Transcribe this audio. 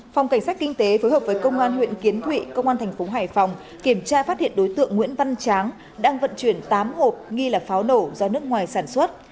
phòng cảnh sát kinh tế phối hợp với công an huyện kiến thụy công an thành phố hải phòng kiểm tra phát hiện đối tượng nguyễn văn tráng đang vận chuyển tám hộp nghi là pháo nổ do nước ngoài sản xuất